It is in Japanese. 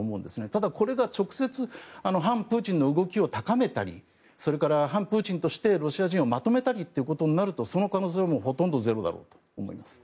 ただ、これが直接反プーチンの動きを高めたりそれから反プーチンとしてロシア人をまとめたりとなるとその可能性はほとんどゼロだと思います。